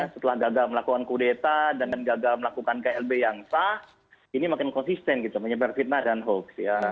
setelah gagal melakukan kudeta dan gagal melakukan klb yang sah ini makin konsisten gitu menyebar fitnah dan hoax ya